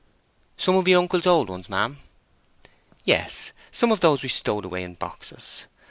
"Some of your uncle's old ones, ma'am?" "Yes. Some of those we stowed away in boxes."